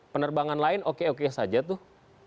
penerbangan lain oke oke saja tuh